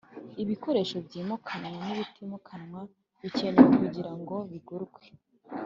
Ibikoresho byimukanwa n‘ibitimukanwa bikenewe kugira ngo bigurwe